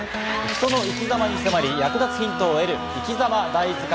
人の生き様に迫り、役立つヒントを得る『いきざま大図鑑』。